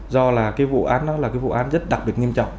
do là cái vụ án nó là cái vụ án rất đặc biệt nghiêm trọng